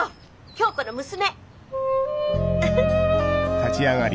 響子の娘。